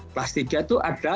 kelas tiga itu ada